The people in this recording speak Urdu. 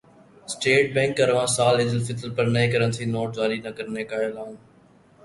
اسٹیٹ بینک کا رواں سال عیدالفطر پر نئے کرنسی نوٹ جاری نہ کرنے کا اعلان